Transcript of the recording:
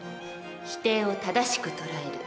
否定を正しく捉える。